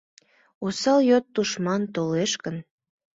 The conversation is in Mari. Осал йот тушман толеш гын